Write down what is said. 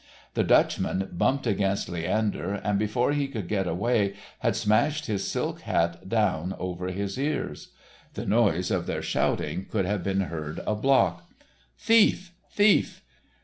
The Dutchman bumped against Leander and before he could get away had smashed his silk hat down over his ears. The noise of their shouting could have been heard a block. "Thief, thief."